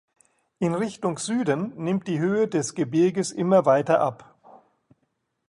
In Richtung Süden nimmt die Höhe des Gebirges immer weiter ab.